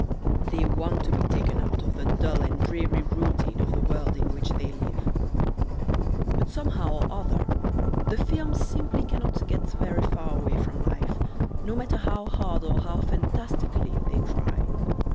They want to be taken out of the dull and dreary routine of the world in which they live. But somehow or other the films simply cannot get very far away from life, no matter how hard or how fantastically they try.